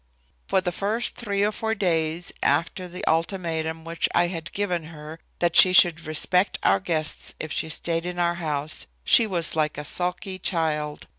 For the first three or four days after the ultimatum which I had given her that she should respect our guests if she stayed in our house she was like a sulky child.